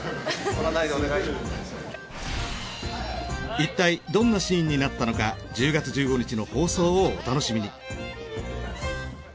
いったいどんなシーンになったのか１０月１５日の放送をお楽しみに。